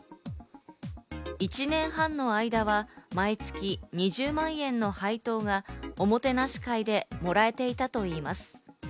１年半の間は毎月２０万円の配当がおもてなし会でもらえていたといいます。